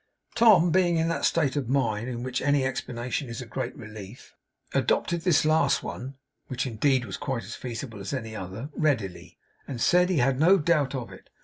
Tom, being in that state of mind in which any explanation is a great relief, adopted this last one (which indeed was quite as feasible as any other) readily, and said he had no doubt of it.